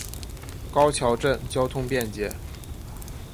高桥镇交通便捷。